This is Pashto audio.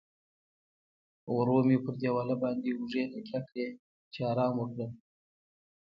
ورو مې پر دیواله باندې اوږې تکیه کړې، چې ارام وکړم.